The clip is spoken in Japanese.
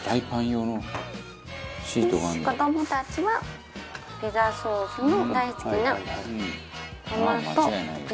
よし子どもたちはピザソースの大好きなトマトピザ。